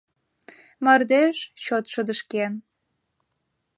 Мардеж чот шыдешкен